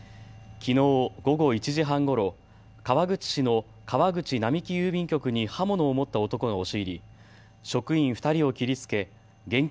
きのう午後１時半ごろ、川口市の川口並木郵便局に刃物を持った男が押し入り職員２人を切りつけ現金